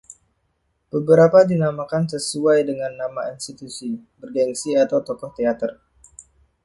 Beberapa dinamakan sesuai dengan nama institusi bergengsi atau tokoh teater.